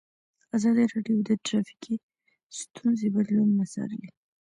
ازادي راډیو د ټرافیکي ستونزې بدلونونه څارلي.